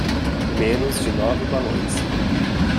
Menos de nove balões